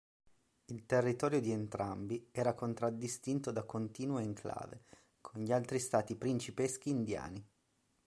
Il territorio di entrambi era contraddistinto da continue enclave con altri stati principeschi indiani.